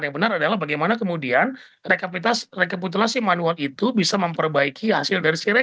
yang benar adalah bagaimana kemudian rekapitulasi manual itu bisa memperbaiki hasil dari sekarang